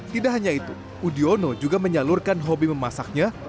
tidak hanya itu udiono juga menyalurkan hobi memasaknya